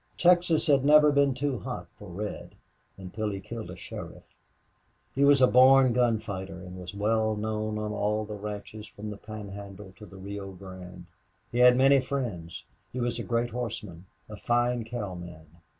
Texas had never been too hot for Red until he killed a sheriff. He was a born gun fighter, and was well known on all the ranches from the Pan Handle to the Rio Grande. He had many friends, he was a great horseman, a fine cowman.